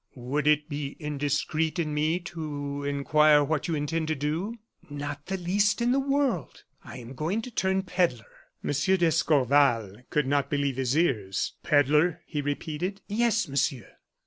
"Would it be indiscreet in me to inquire what you intend to do?" "Not the least in the world. I am going to turn pedler." M. d'Escorval could not believe his ears. "Pedler?" he repeated. "Yes, Monsieur.